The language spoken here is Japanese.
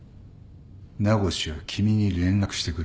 名越は君に連絡してくる。